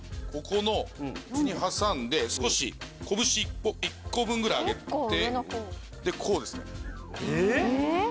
ここの内に挟んで少しこぶし１個分ぐらい上げてでこうですねえっ？